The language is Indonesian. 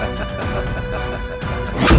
negara forgot dan masa ini